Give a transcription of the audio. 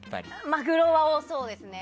マグロは、そうですね。